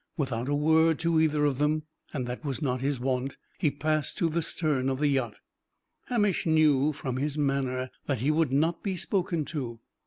Without a word to either of them and that was not his wont he passed to the stern of the yacht. Hamish knew from his manner that he would not be spoken to.